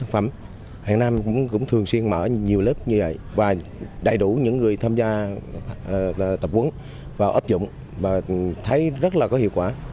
hàng năm cũng thường xuyên mở nhiều lớp như vậy và đầy đủ những người tham gia tập huống và ấp dụng và thấy rất là có hiệu quả